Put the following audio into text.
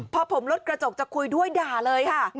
พอผมลดกระจกจะคุยด้วยด่าเลยค่ะ